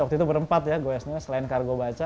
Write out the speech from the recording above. waktu itu berempat ya goesnya selain kargo baca